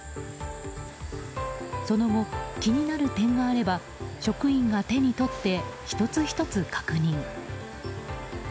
その後、気になる点があれば職員が手に取って１つ１つ確認。